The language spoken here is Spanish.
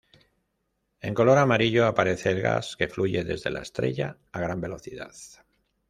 En color amarillo aparece el gas que fluye desde la estrella a gran velocidad.